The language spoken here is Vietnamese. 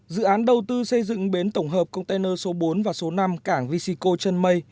dự án đầu tư xây dựng bến tổng hợp container số bốn và số năm cảng vesico trần mây